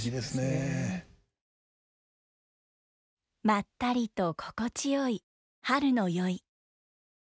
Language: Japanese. まったりと心地よい春の宵。